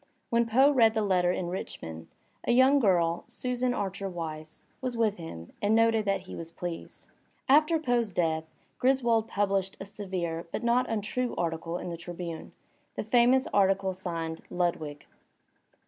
When Poe read the letter in Rich mond, a young girl, Susan Archer Weiss, was with him and noted that he was pleased. After Poe's death Griswold published a severe but not untrue article in the Tribune, the famous article signed ""Lud wig."